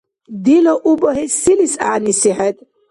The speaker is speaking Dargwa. Дила у багьес селис гӀягӀниси хӀед?